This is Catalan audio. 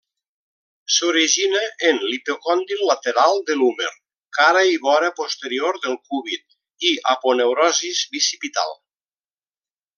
S'origina en l'epicòndil lateral de l'húmer, cara i vora posterior del cúbit i aponeurosis bicipital.